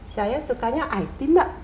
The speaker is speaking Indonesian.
saya sukanya it mbak